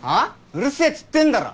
うるせえっつってんだろ！